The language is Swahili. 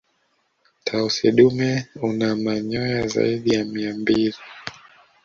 tausi dume una manyoa zaidi ya mia mbili